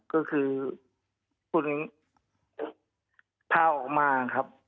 ก็คือคุณพาออกมาครับ